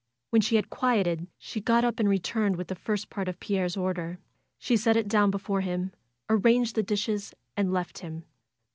When she had quieted she got up and returned with the first part of Pierre's order. She set it down before him, arranged the dishes, and left him.